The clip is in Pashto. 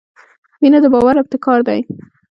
• مینه د باور ابتکار دی.